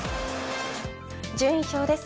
順位表です。